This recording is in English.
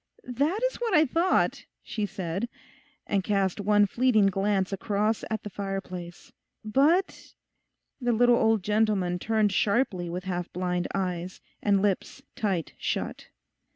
'That is what I thought,' she said, and cast one fleeting glance across at the fireplace, 'but—' The little old gentleman turned sharply with half blind eyes, and lips tight shut.